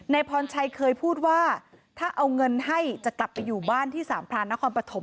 พรชัยเคยพูดว่าถ้าเอาเงินให้จะกลับไปอยู่บ้านที่สามพรานนครปฐม